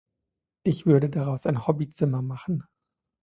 Ich würde daraus ein Hobbyzimmer machen.